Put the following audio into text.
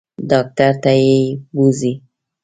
ډاکټر ته یې بوزئ.